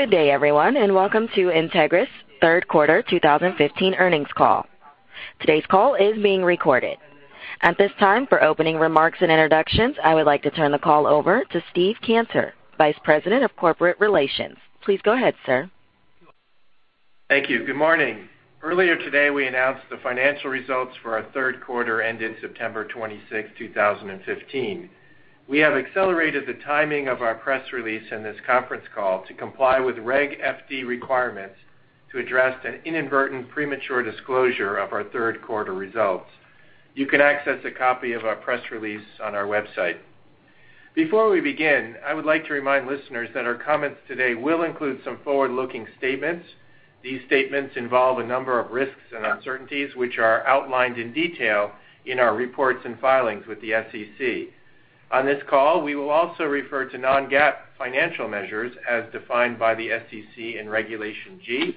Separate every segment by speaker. Speaker 1: Good day, everyone, welcome to Entegris' third quarter 2015 earnings call. Today's call is being recorded. At this time, for opening remarks and introductions, I would like to turn the call over to Steve Canser, Vice President of Corporate Relations. Please go ahead, sir.
Speaker 2: Thank you. Good morning. Earlier today, we announced the financial results for our third quarter ended September 26, 2015. We have accelerated the timing of our press release and this conference call to comply with Regulation FD requirements to address an inadvertent premature disclosure of our third quarter results. You can access a copy of our press release on our website. Before we begin, I would like to remind listeners that our comments today will include some forward-looking statements. These statements involve a number of risks and uncertainties, which are outlined in detail in our reports and filings with the SEC. On this call, we will also refer to non-GAAP financial measures as defined by the SEC in Regulation G.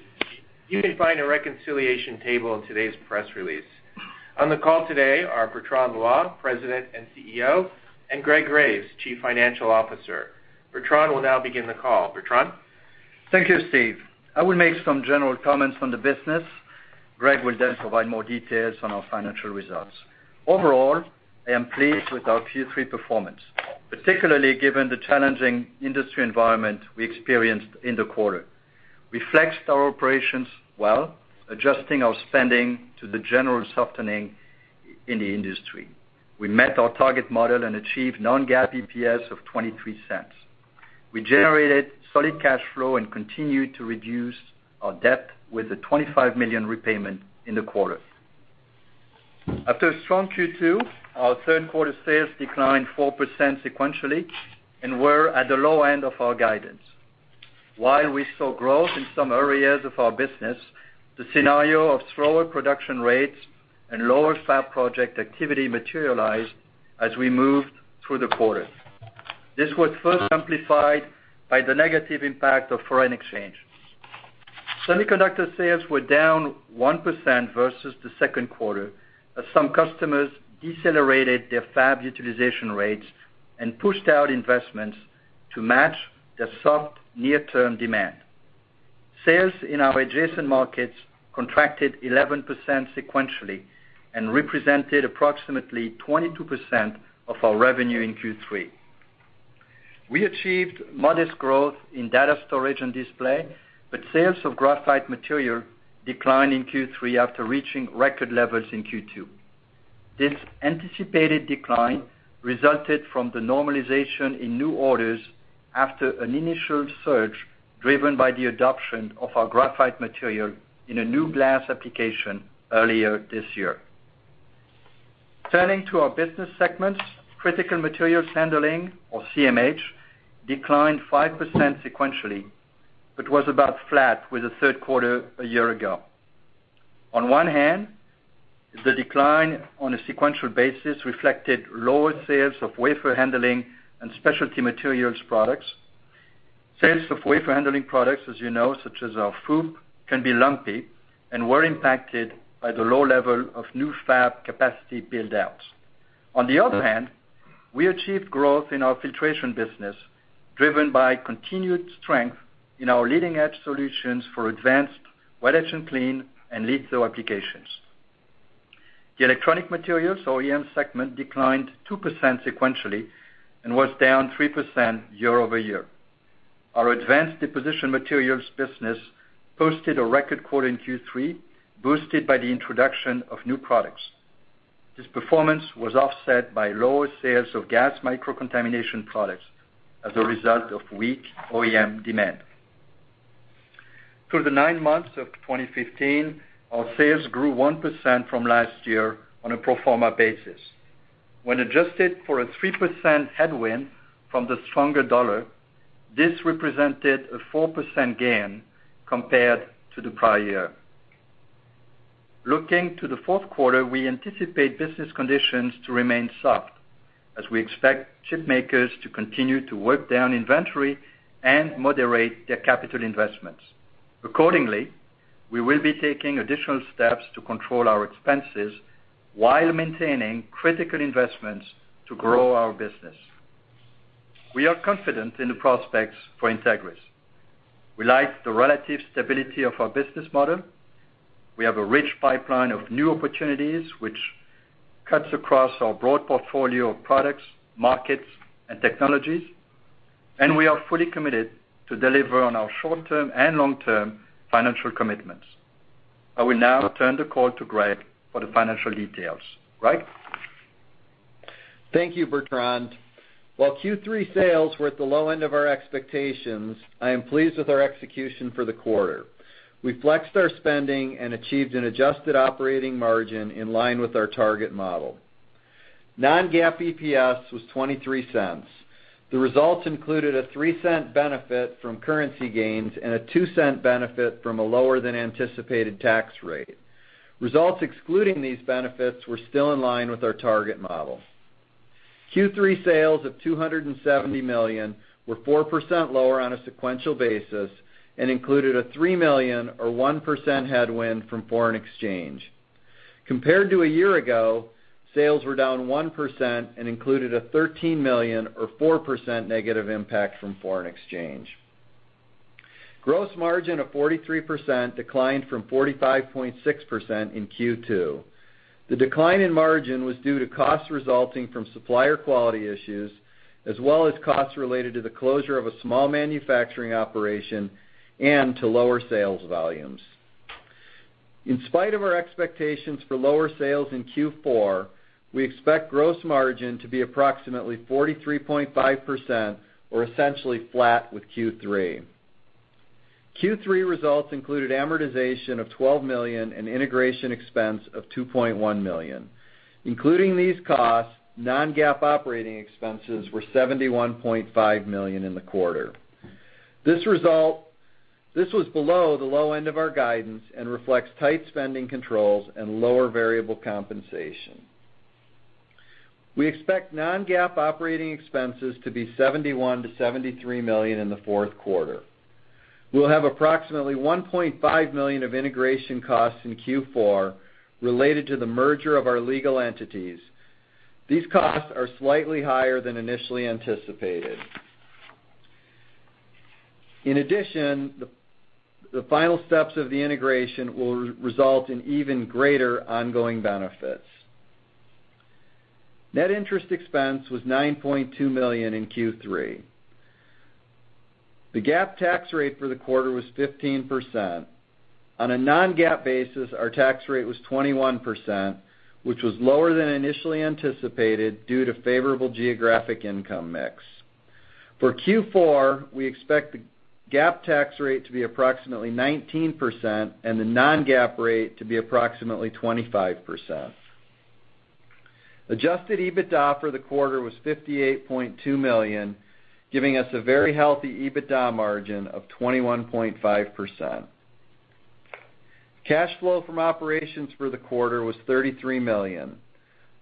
Speaker 2: You can find a reconciliation table in today's press release. On the call today are Bertrand Loy, President and CEO, and Greg Graves, Chief Financial Officer. Bertrand will now begin the call. Bertrand?
Speaker 3: Thank you, Steve. I will make some general comments on the business. Greg will then provide more details on our financial results. Overall, I am pleased with our Q3 performance, particularly given the challenging industry environment we experienced in the quarter. We flexed our operations well, adjusting our spending to the general softening in the industry. We met our target model and achieved non-GAAP EPS of $0.23. We generated solid cash flow and continued to reduce our debt with a $25 million repayment in the quarter. After a strong Q2, our third quarter sales declined 4% sequentially and were at the low end of our guidance. While we saw growth in some areas of our business, the scenario of slower production rates and lower fab project activity materialized as we moved through the quarter. This was further amplified by the negative impact of foreign exchange. Semiconductor sales were down 1% versus the second quarter as some customers decelerated their fab utilization rates and pushed out investments to match the soft near-term demand. Sales in our adjacent markets contracted 11% sequentially and represented approximately 22% of our revenue in Q3. We achieved modest growth in data storage and display, but sales of graphite material declined in Q3 after reaching record levels in Q2. This anticipated decline resulted from the normalization in new orders after an initial surge driven by the adoption of our graphite material in a new glass application earlier this year. Turning to our business segments, Critical Materials Handling, or CMH, declined 5% sequentially, but was about flat with the third quarter a year ago. On one hand, the decline on a sequential basis reflected lower sales of wafer handling and specialty materials products. Sales of wafer handling products, as you know, such as our FOUP, can be lumpy and were impacted by the low level of new fab capacity build-outs. On the other hand, we achieved growth in our filtration business, driven by continued strength in our leading-edge solutions for advanced wet etch and clean, and litho applications. The electronic materials, or EM segment, declined 2% sequentially and was down 3% year-over-year. Our advanced deposition materials business posted a record quarter in Q3, boosted by the introduction of new products. This performance was offset by lower sales of gas microcontamination products as a result of weak OEM demand. Through the nine months of 2015, our sales grew 1% from last year on a pro forma basis. When adjusted for a 3% headwind from the stronger dollar, this represented a 4% gain compared to the prior year. Looking to the fourth quarter, we anticipate business conditions to remain soft as we expect chip makers to continue to work down inventory and moderate their capital investments. Accordingly, we will be taking additional steps to control our expenses while maintaining critical investments to grow our business. We are confident in the prospects for Entegris. We like the relative stability of our business model. We have a rich pipeline of new opportunities, which cuts across our broad portfolio of products, markets, and technologies, and we are fully committed to deliver on our short-term and long-term financial commitments. I will now turn the call to Greg for the financial details. Greg?
Speaker 4: Thank you, Bertrand. While Q3 sales were at the low end of our expectations, I am pleased with our execution for the quarter. We flexed our spending and achieved an adjusted operating margin in line with our target model. Non-GAAP EPS was $0.23. The results included a $0.03 benefit from currency gains and a $0.02 benefit from a lower than anticipated tax rate. Results excluding these benefits were still in line with our target model. Q3 sales of $270 million were 4% lower on a sequential basis and included a $3 million or 1% headwind from foreign exchange. Compared to a year ago, sales were down 1% and included a $13 million or 4% negative impact from foreign exchange. Gross margin of 43% declined from 45.6% in Q2. The decline in margin was due to costs resulting from supplier quality issues, as well as costs related to the closure of a small manufacturing operation and to lower sales volumes. In spite of our expectations for lower sales in Q4, we expect gross margin to be approximately 43.5%, or essentially flat with Q3. Q3 results included amortization of $12 million and integration expense of $2.1 million. Including these costs, non-GAAP operating expenses were $71.5 million in the quarter. This was below the low end of our guidance and reflects tight spending controls and lower variable compensation. We expect non-GAAP operating expenses to be $71 million to $73 million in the fourth quarter. We'll have approximately $1.5 million of integration costs in Q4 related to the merger of our legal entities. These costs are slightly higher than initially anticipated. In addition, the final steps of the integration will result in even greater ongoing benefits. Net interest expense was $9.2 million in Q3. The GAAP tax rate for the quarter was 15%. On a non-GAAP basis, our tax rate was 21%, which was lower than initially anticipated due to favorable geographic income mix. For Q4, we expect the GAAP tax rate to be approximately 19% and the non-GAAP rate to be approximately 25%. Adjusted EBITDA for the quarter was $58.2 million, giving us a very healthy EBITDA margin of 21.5%. Cash flow from operations for the quarter was $33 million.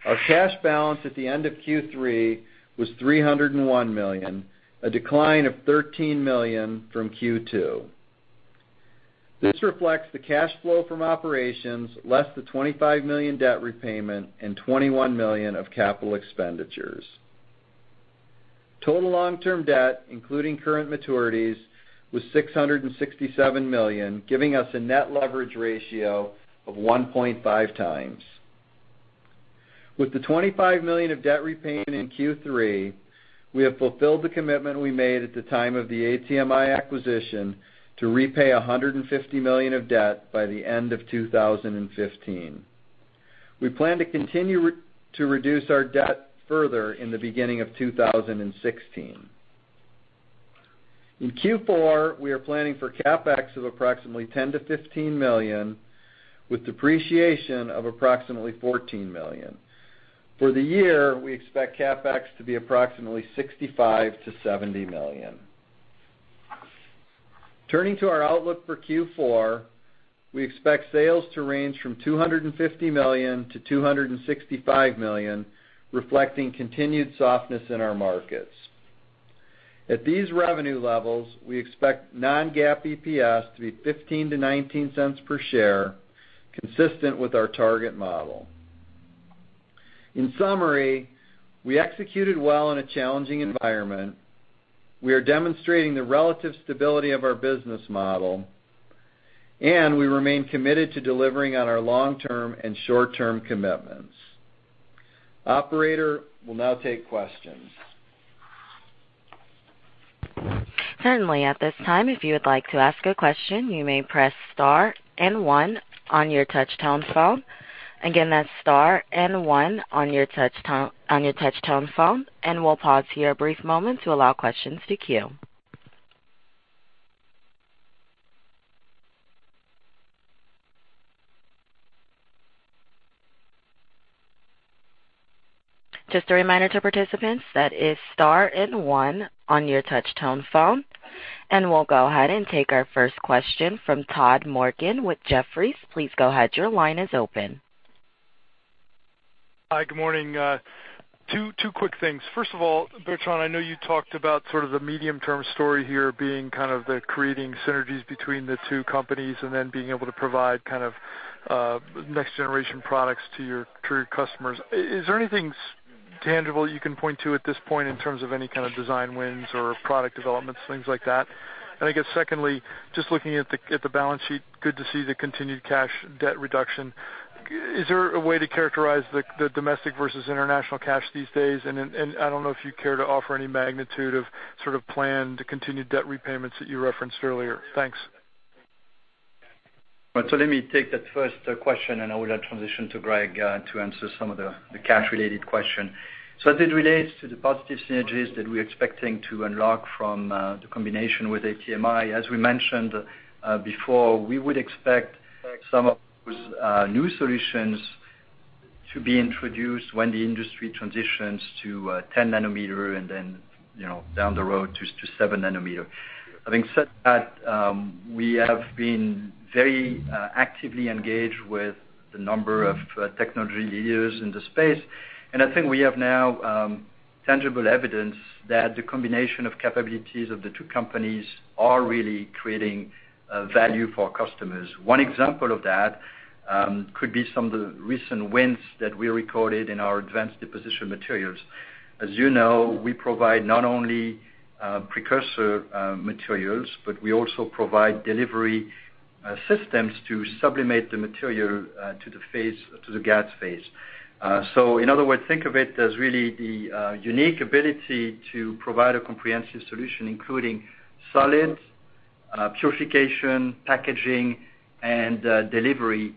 Speaker 4: Our cash balance at the end of Q3 was $301 million, a decline of $13 million from Q2. This reflects the cash flow from operations, less the $25 million debt repayment and $21 million of capital expenditures. Total long-term debt, including current maturities, was $667 million, giving us a net leverage ratio of 1.5 times. With the $25 million of debt repayment in Q3, we have fulfilled the commitment we made at the time of the ATMI acquisition to repay $150 million of debt by the end of 2015. We plan to continue to reduce our debt further in the beginning of 2016. In Q4, we are planning for CapEx of approximately $10 million to $15 million, with depreciation of approximately $14 million. For the year, we expect CapEx to be approximately $65 million to $70 million. Turning to our outlook for Q4, we expect sales to range from $250 million to $265 million, reflecting continued softness in our markets. At these revenue levels, we expect non-GAAP EPS to be $0.15 to $0.19 per share, consistent with our target model. In summary, we executed well in a challenging environment. We are demonstrating the relative stability of our business model, and we remain committed to delivering on our long-term and short-term commitments. Operator, we'll now take questions.
Speaker 1: Certainly. At this time, if you would like to ask a question, you may press star and one on your touch-tone phone. Again, that's star and one on your touch-tone phone, and we'll pause here a brief moment to allow questions to queue. Just a reminder to participants, that is star and one on your touch-tone phone, and we'll go ahead and take our first question from Todd Morgan with Jefferies. Please go ahead. Your line is open.
Speaker 5: Hi. Good morning. Two quick things. First of all, Bertrand, I know you talked about sort of the medium-term story here being kind of the creating synergies between the two companies and then being able to provide kind of next-generation products to your customers. Is there anything tangible you can point to at this point in terms of any kind of design wins or product developments, things like that? I guess secondly, just looking at the balance sheet, good to see the continued cash debt reduction. Is there a way to characterize the domestic versus international cash these days? I don't know if you care to offer any magnitude of sort of planned continued debt repayments that you referenced earlier. Thanks.
Speaker 3: Let me take that first question, I will then transition to Greg to answer some of the cash-related question. As it relates to the positive synergies that we're expecting to unlock from the combination with ATMI, as we mentioned before, we would expect some of those new solutions to be introduced when the industry transitions to 10 nanometer and then down the road to seven nanometer. Having said that, we have been very actively engaged with the number of technology leaders in the space, I think we have now Tangible evidence that the combination of capabilities of the two companies are really creating value for our customers. One example of that could be some of the recent wins that we recorded in our advanced deposition materials. As you know, we provide not only precursor materials, but we also provide delivery systems to sublimate the material to the gas phase. In other words, think of it as really the unique ability to provide a comprehensive solution, including solid purification, packaging, and delivery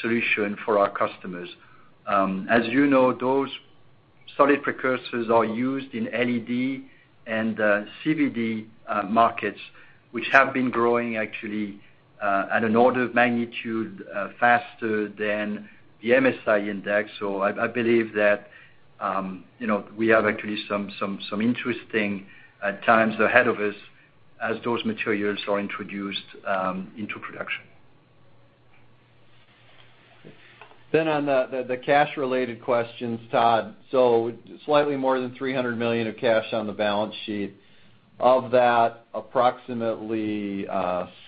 Speaker 3: solution for our customers. As you know, those solid precursors are used in ALD and CVD markets, which have been growing actually at an order of magnitude faster than the MSI index. I believe that we have actually some interesting times ahead of us as those materials are introduced into production.
Speaker 4: On the cash-related questions, Todd. Slightly more than $300 million of cash on the balance sheet. Of that, approximately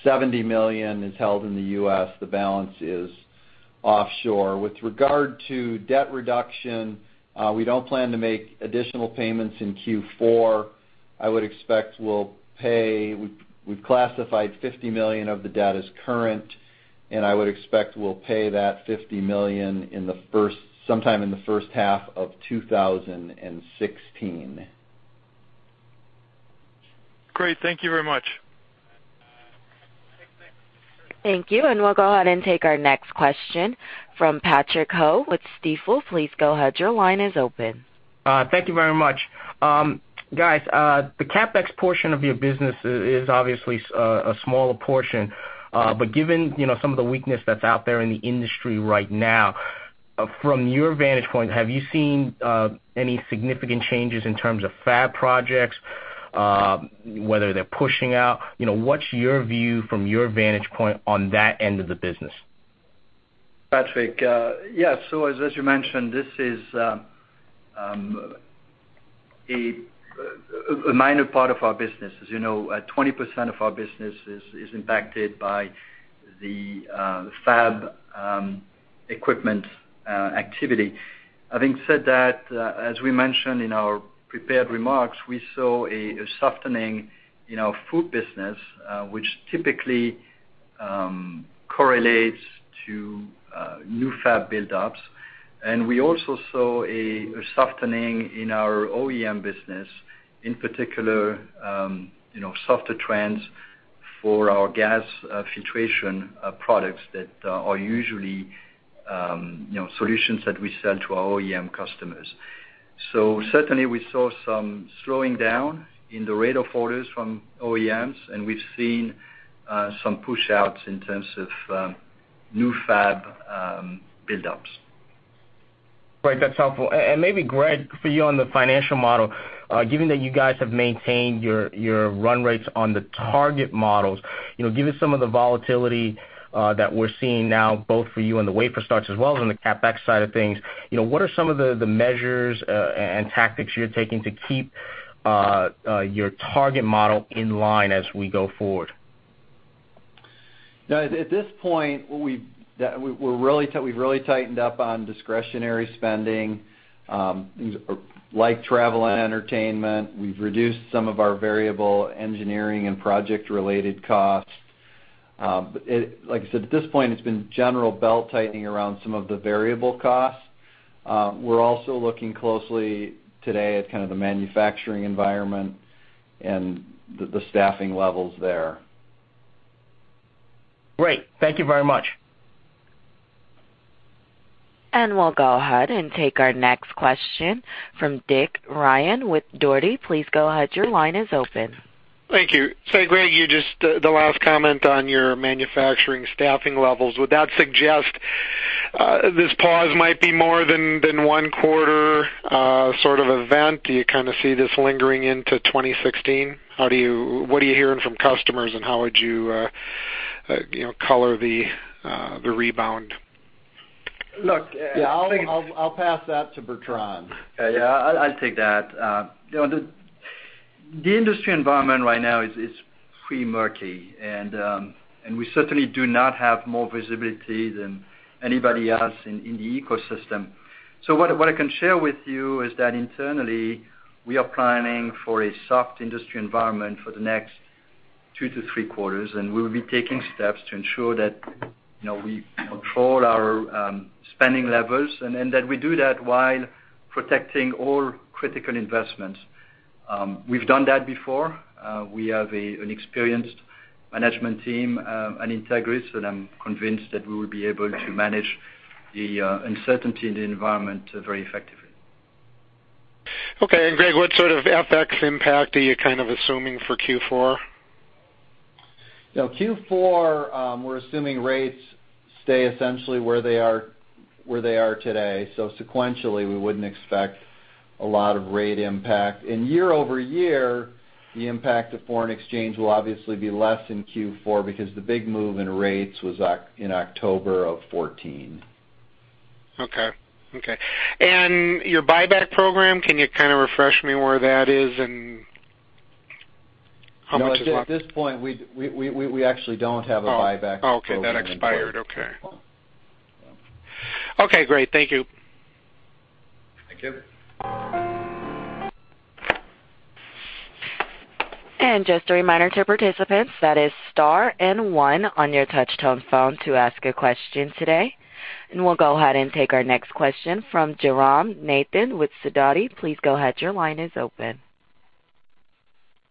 Speaker 4: $70 million is held in the U.S. The balance is offshore. With regard to debt reduction, we don't plan to make additional payments in Q4. I would expect we'll pay. We've classified $50 million of the debt as current, and I would expect we'll pay that $50 million sometime in the first half of 2016.
Speaker 5: Great. Thank you very much.
Speaker 1: Thank you. We'll go ahead and take our next question from Patrick Ho with Stifel. Please go ahead. Your line is open.
Speaker 6: Thank you very much. Guys, the CapEx portion of your business is obviously a smaller portion. Given some of the weakness that's out there in the industry right now, from your vantage point, have you seen any significant changes in terms of fab projects, whether they're pushing out? What's your view from your vantage point on that end of the business?
Speaker 3: Patrick, yeah. As you mentioned, this is a minor part of our business. As you know, 20% of our business is impacted by the fab equipment activity. Having said that, as we mentioned in our prepared remarks, we saw a softening in our FOUP business, which typically correlates to new fab buildups. We also saw a softening in our OEM business, in particular softer trends for our gas filtration products that are usually solutions that we sell to our OEM customers. Certainly, we saw some slowing down in the rate of orders from OEMs, and we've seen some push-outs in terms of new fab buildups.
Speaker 6: Great. That's helpful. Maybe, Greg, for you on the financial model, given that you guys have maintained your run rates on the target models, given some of the volatility that we're seeing now, both for you on the wafer starts as well as on the CapEx side of things, what are some of the measures and tactics you're taking to keep your target model in line as we go forward?
Speaker 4: At this point, we've really tightened up on discretionary spending, like travel and entertainment. We've reduced some of our variable engineering and project-related costs. Like I said, at this point, it's been general belt-tightening around some of the variable costs. We're also looking closely today at the manufacturing environment and the staffing levels there.
Speaker 6: Great. Thank you very much.
Speaker 1: We'll go ahead and take our next question from Dick Ryan with Dougherty. Please go ahead. Your line is open.
Speaker 7: Thank you. Greg, the last comment on your manufacturing staffing levels. Would that suggest this pause might be more than one quarter sort of event? Do you kind of see this lingering into 2016? What are you hearing from customers, and how would you color the rebound?
Speaker 4: Look, yeah, I'll pass that to Bertrand.
Speaker 3: Yeah, I'll take that. The industry environment right now is pretty murky, and we certainly do not have more visibility than anybody else in the ecosystem. What I can share with you is that internally, we are planning for a soft industry environment for the next two to three quarters, and we will be taking steps to ensure that we control our spending levels and that we do that while protecting all critical investments. We've done that before. We have an experienced management team at Entegris, and I'm convinced that we will be able to manage the uncertainty in the environment very effectively.
Speaker 7: Okay. Greg, what sort of FX impact are you assuming for Q4?
Speaker 4: Q4, we're assuming rates stay essentially where they are today. Sequentially, we wouldn't expect a lot of rate impact. Year-over-year, the impact of foreign exchange will obviously be less in Q4 because the big move in rates was in October of 2014.
Speaker 7: Okay. Your buyback program, can you refresh me where that is and.
Speaker 4: At this point, we actually don't have a buyback program in place.
Speaker 7: Okay. That expired, okay. Yeah. Okay, great. Thank you.
Speaker 4: Thank you.
Speaker 1: Just a reminder to participants, that is star and one on your touch-tone phone to ask a question today. We'll go ahead and take our next question from Jairam Nathan with Sidoti. Please go ahead. Your line is open.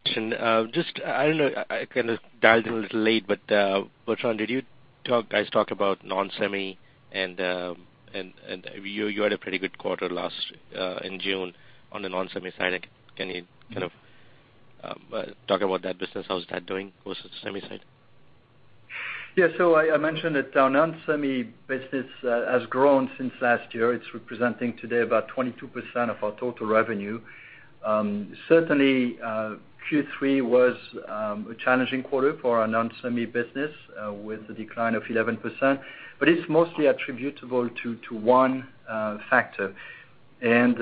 Speaker 8: Just, I don't know, I kind of dialed in a little late, Bertrand, did you guys talk about non-semi and you had a pretty good quarter last in June on the non-semi side. Can you talk about that business? How is that doing versus the semi side?
Speaker 3: I mentioned that our non-semi business has grown since last year. It's representing today about 22% of our total revenue. Certainly, Q3 was a challenging quarter for our non-semi business, with a decline of 11%. It's mostly attributable to one factor. Just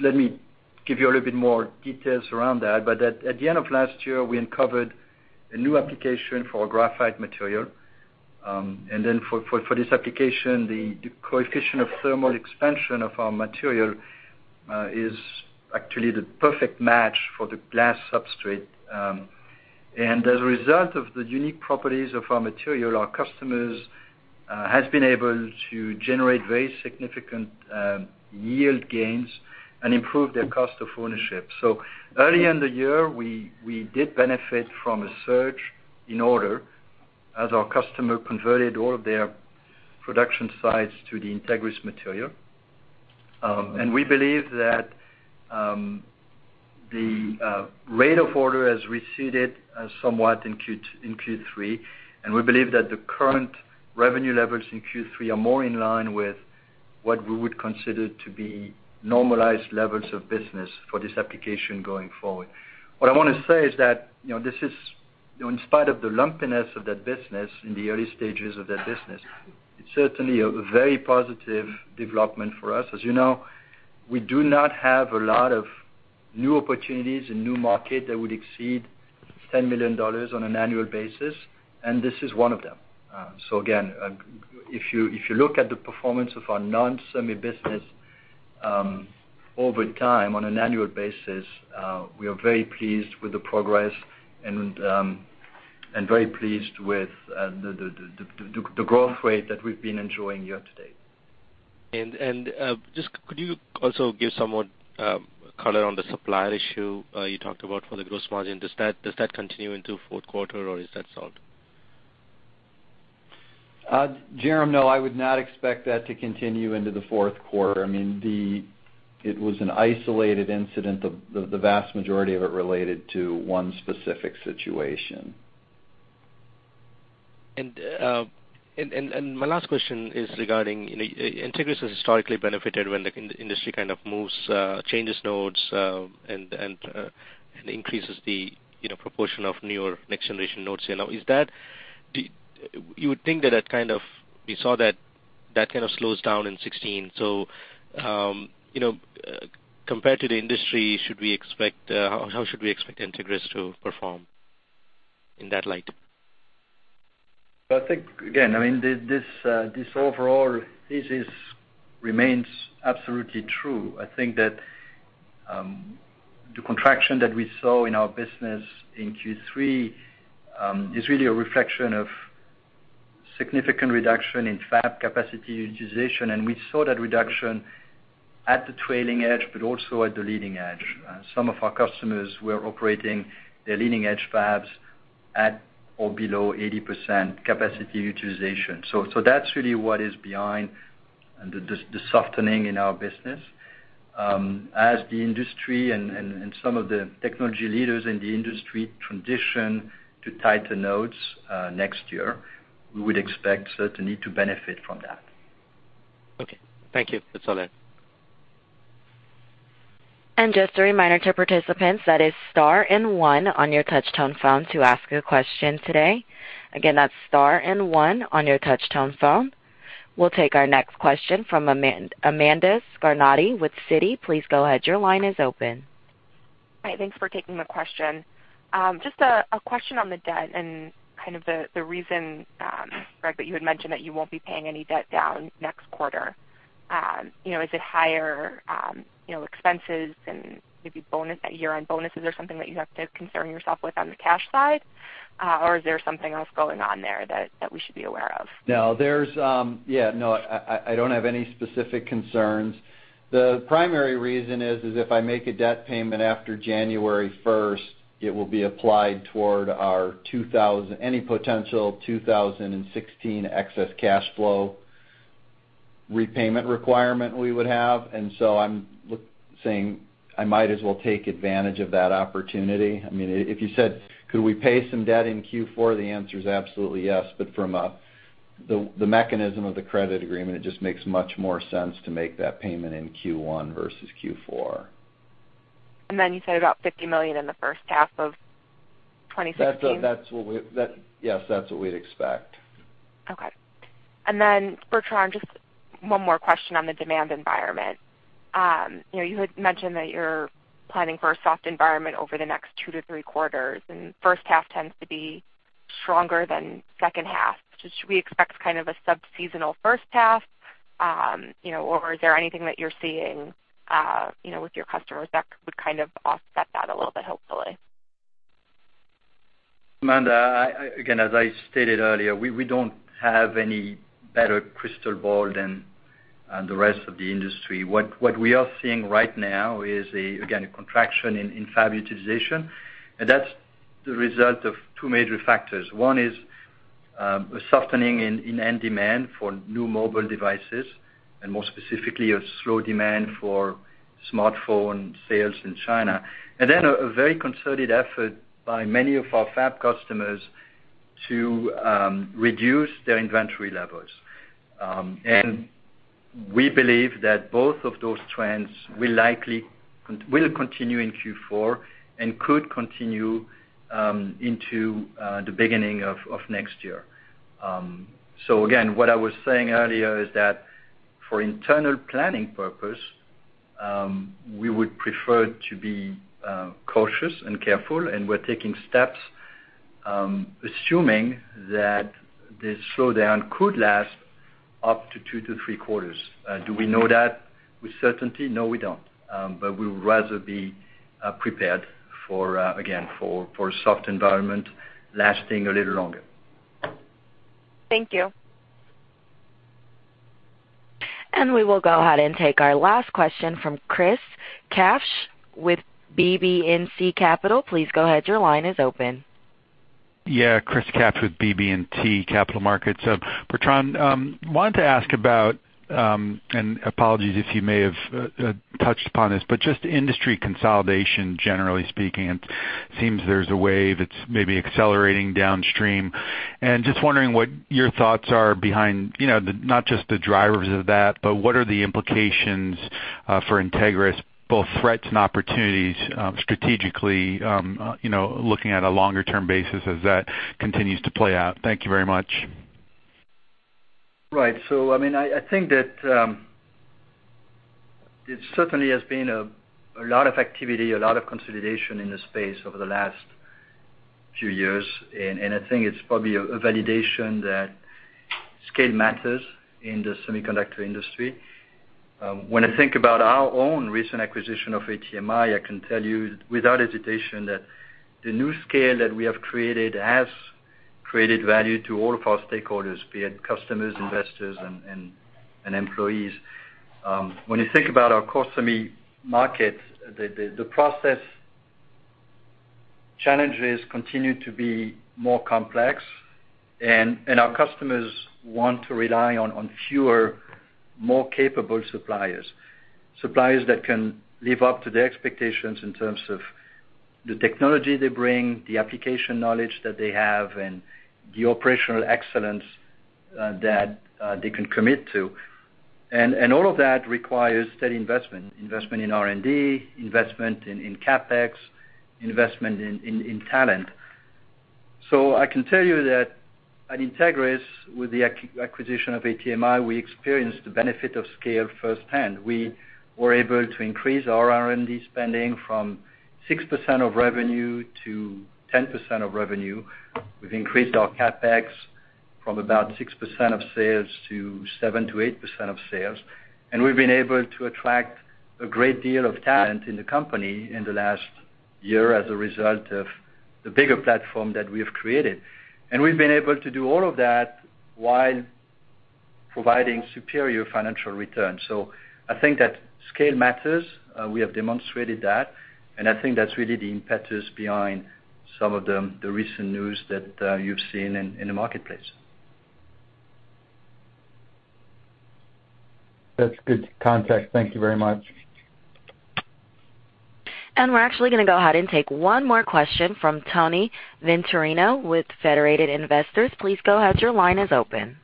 Speaker 3: let me give you a little bit more details around that. At the end of last year, we uncovered a new application for graphite material. For this application, the coefficient of thermal expansion of our material is actually the perfect match for the glass substrate. As a result of the unique properties of our material, our customers has been able to generate very significant yield gains and improve their cost of ownership. Early in the year, we did benefit from a surge in order as our customer converted all of their production sites to the Entegris material. We believe that the rate of order has receded somewhat in Q3. We believe that the current revenue levels in Q3 are more in line with what we would consider to be normalized levels of business for this application going forward. What I want to say is that in spite of the lumpiness of that business in the early stages of that business, it's certainly a very positive development for us. As you know, we do not have a lot of new opportunities and new market that would exceed $10 million on an annual basis. This is one of them. Again, if you look at the performance of our non-semi business, over time, on an annual basis, we are very pleased with the progress and very pleased with the growth rate that we've been enjoying year to date.
Speaker 8: Just could you also give somewhat color on the supplier issue you talked about for the gross margin? Does that continue into fourth quarter or is that solved?
Speaker 4: Jerome, no, I would not expect that to continue into the fourth quarter. It was an isolated incident. The vast majority of it related to one specific situation.
Speaker 8: My last question is regarding, Entegris has historically benefited when the industry kind of moves, changes nodes, and increases the proportion of newer next-generation nodes. You would think that we saw that kind of slows down in 2016. Compared to the industry, how should we expect Entegris to perform in that light?
Speaker 3: I think, again, this overall thesis remains absolutely true. I think that the contraction that we saw in our business in Q3, is really a reflection of significant reduction in fab capacity utilization, and we saw that reduction at the trailing edge, but also at the leading edge. Some of our customers were operating their leading-edge fabs at or below 80% capacity utilization. That's really what is behind the softening in our business. As the industry and some of the technology leaders in the industry transition to tighter nodes next year, we would expect certainly to benefit from that.
Speaker 8: Okay. Thank you. That's all I have.
Speaker 1: Just a reminder to participants, that is star and one on your touch-tone phone to ask a question today. Again, that's star and one on your touch-tone phone. We'll take our next question from Amanda Scarnati with Citi. Please go ahead. Your line is open.
Speaker 9: Hi, thanks for taking the question. Just a question on the debt and kind of the reason, Greg, that you had mentioned that you won't be paying any debt down next quarter. Is it higher expenses and maybe year-end bonuses or something that you have to concern yourself with on the cash side? Is there something else going on there that we should be aware of?
Speaker 4: No, I don't have any specific concerns. The primary reason is if I make a debt payment after January 1st, it will be applied toward any potential 2016 excess cash flow repayment requirement we would have. I'm saying I might as well take advantage of that opportunity. If you said could we pay some debt in Q4, the answer is absolutely yes, from the mechanism of the credit agreement, it just makes much more sense to make that payment in Q1 versus Q4.
Speaker 9: You said about $50 million in the first half 2016?
Speaker 4: Yes, that's what we'd expect.
Speaker 9: Okay. Then Bertrand, just one more question on the demand environment. You had mentioned that you're planning for a soft environment over the next two to three quarters, and first half tends to be stronger than second half. Should we expect kind of a sub-seasonal first half? Or is there anything that you're seeing with your customers that would kind of offset that a little bit, hopefully?
Speaker 3: Amanda, again, as I stated earlier, we don't have any better crystal ball than the rest of the industry. What we are seeing right now is, again, a contraction in fab utilization, that's the result of two major factors. One is a softening in end demand for new mobile devices, more specifically, a slow demand for smartphone sales in China. Then a very concerted effort by many of our fab customers to reduce their inventory levels. We believe that both of those trends will continue in Q4 and could continue into the beginning of next year. Again, what I was saying earlier is that for internal planning purpose, we would prefer to be cautious and careful, and we're taking steps assuming that this slowdown could last up to two to three quarters. Do we know that with certainty? No, we don't. We would rather be prepared for, again, for a soft environment lasting a little longer.
Speaker 9: Thank you.
Speaker 1: We will go ahead and take our last question from Chris Kapsch with BB&T Capital. Please go ahead, your line is open.
Speaker 10: Chris Kapsch with BB&T Capital Markets. Bertrand, wanted to ask about, apologies if you may have touched upon this, just industry consolidation, generally speaking. It seems there's a wave that's maybe accelerating downstream. Just wondering what your thoughts are behind, not just the drivers of that, what are the implications for Entegris, both threats and opportunities, strategically, looking at a longer-term basis as that continues to play out. Thank you very much.
Speaker 3: Right. I think that it certainly has been a lot of activity, a lot of consolidation in this space over the last few years, and I think it's probably a validation that scale matters in the semiconductor industry. When I think about our own recent acquisition of ATMI, I can tell you without hesitation that the new scale that we have created has created value to all of our stakeholders, be it customers, investors, and employees. When you think about our core semi market, the process challenges continue to be more complex, and our customers want to rely on fewer, more capable suppliers. Suppliers that can live up to their expectations in terms of the technology they bring, the application knowledge that they have, and the operational excellence that they can commit to. All of that requires steady investment. Investment in R&D, investment in CapEx, investment in talent. I can tell you that at Entegris, with the acquisition of ATMI, we experienced the benefit of scale firsthand. We were able to increase our R&D spending from 6% of revenue to 10% of revenue. We've increased our CapEx from about 6% of sales to 7%-8% of sales. We've been able to attract a great deal of talent in the company in the last year as a result of the bigger platform that we have created. We've been able to do all of that while providing superior financial returns. I think that scale matters. We have demonstrated that, and I think that's really the impetus behind some of the recent news that you've seen in the marketplace.
Speaker 10: That's good context. Thank you very much.
Speaker 1: We're actually going to go ahead and take one more question from Anthony Venturino with Federated Investors. Please go ahead, your line is open.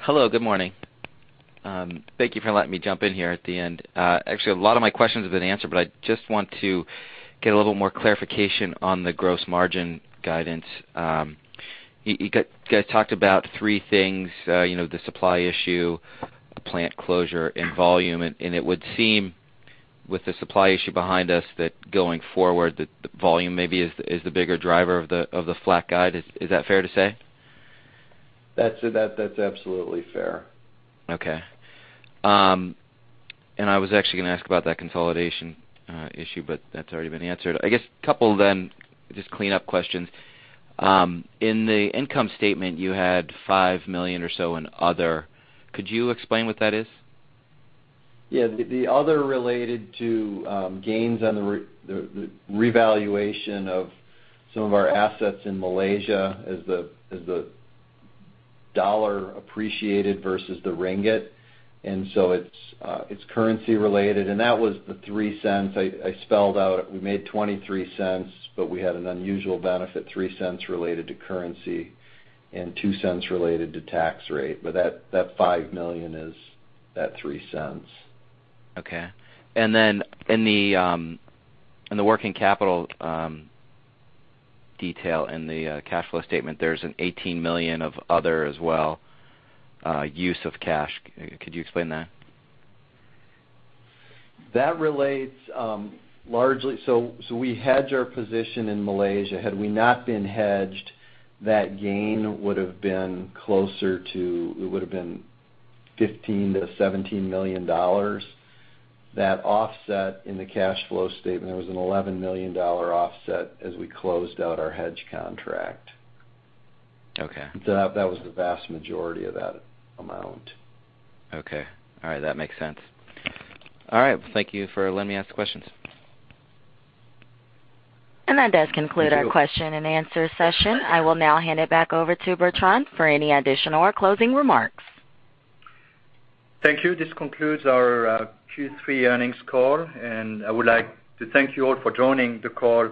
Speaker 11: Hello, good morning. Thank you for letting me jump in here at the end. Actually, a lot of my questions have been answered. I just want to get a little more clarification on the gross margin guidance. You guys talked about three things. The supply issue, the plant closure, and volume. It would seem, with the supply issue behind us, that going forward, the volume maybe is the bigger driver of the flat guide. Is that fair to say?
Speaker 4: That's absolutely fair.
Speaker 11: Okay. I was actually going to ask about that consolidation issue. That's already been answered. I guess a couple then, just clean-up questions. In the income statement, you had $5 million or so in other. Could you explain what that is?
Speaker 4: Yeah. The other related to gains on the revaluation of some of our assets in Malaysia as the dollar appreciated versus the ringgit. It's currency related. That was the $0.03 I spelled out. We made $0.23. We had an unusual benefit, $0.03 related to currency and $0.02 related to tax rate. That $5 million is that $0.03.
Speaker 11: Okay. Then in the working capital detail in the cash flow statement, there's an $18 million of other as well, use of cash. Could you explain that?
Speaker 4: That relates largely, so we hedge our position in Malaysia. Had we not been hedged, that gain would've been closer to $15 million to $17 million. That offset in the cash flow statement was an $11 million offset as we closed out our hedge contract.
Speaker 11: Okay.
Speaker 4: That was the vast majority of that amount.
Speaker 11: Okay. All right. That makes sense. All right. Thank you for letting me ask questions.
Speaker 1: That does conclude-
Speaker 4: Thank you
Speaker 1: our question and answer session. I will now hand it back over to Bertrand for any additional or closing remarks.
Speaker 3: Thank you. This concludes our Q3 earnings call, and I would like to thank you all for joining the call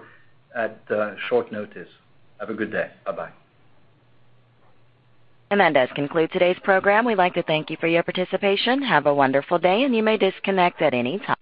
Speaker 3: at short notice. Have a good day. Bye-bye.
Speaker 1: That does conclude today's program. We'd like to thank you for your participation. Have a wonderful day, and you may disconnect at any time.